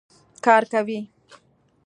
کار کوي